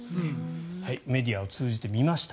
メディアを通じて見ました。